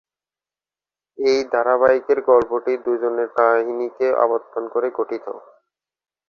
এই ধারাবাহিকের গল্পটি দুজনের কাহিনীকে আবর্তন করে গঠিত।